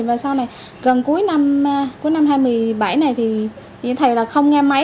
và sau này gần cuối năm hai mươi bảy này thì thầy là không nghe máy